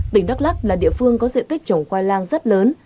tỉnh đắk lắc là địa phương có diện tích trồng khoai lang rất lớn